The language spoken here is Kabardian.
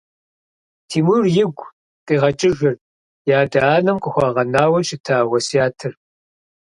Тимур игу къигъэкӏыжырт и адэ-анэм къыхуагъэнауэ щыта уэсятыр.